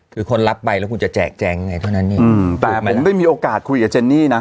คือคนรับไปแล้วคุณจะแจกแจงยังไงเท่านั้นเองแต่ผมได้มีโอกาสคุยกับเจนนี่นะ